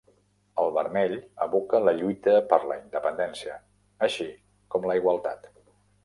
El vermell evoca la "lluita per la independència", així com la igualtat.